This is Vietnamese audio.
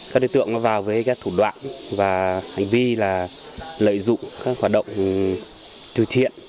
các đối tượng vào với các thủ đoạn và hành vi là lợi dụng các hoạt động từ thiện